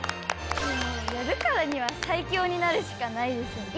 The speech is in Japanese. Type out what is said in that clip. やるからには最強になるしかないです。